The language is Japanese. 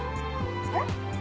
えっ？